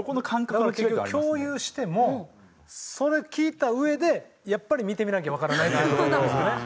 だから結局共有してもそれを聞いたうえでやっぱり見てみなきゃわからないっていうところなんですよね。